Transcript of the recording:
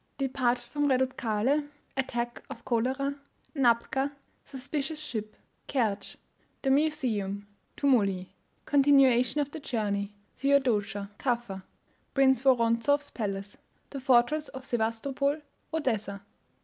DEPARTURE FROM REDUTKALE ATTACK OF CHOLERA ANAPKA SUSPICIOUS SHIP KERTSCH THE MUSEUM TUMULI CONTINUATION OF THE JOURNEY THEODOSIA (CAFFA) PRINCE WORONZOFF'S PALACE THE FORTRESS OF SEWASTOPOL ODESSA.